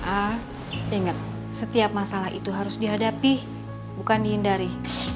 ah inget setiap masalah itu harus dihadapi bukan dihindari